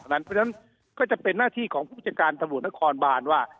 เพราะฉะนั้นก็จะเป็นหน้าที่ของผู้จัดการตำรวจนครบานว่า